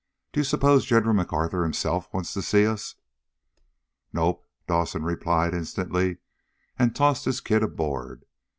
Do you suppose General MacArthur himself wants to see us?" "Nope," Dawson replied instantly, and tossed his kit aboard.